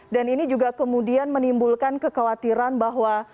dan ini juga kemudian menimbulkan kekhawatiran bahwa